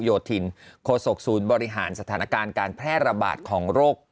โยธินโคศกศูนย์บริหารสถานการณ์การแพร่ระบาดของโรค